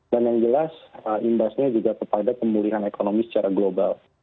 dan yang jelas imbasnya juga kepada pemulihan ekonomi secara global